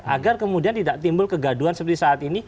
agar kemudian tidak timbul kegaduan seperti saat ini